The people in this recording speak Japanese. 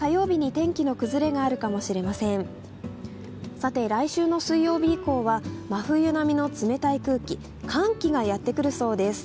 さて、来週の水曜日以降は真冬並みの冷たい空気、寒鬼がやってくるそうです。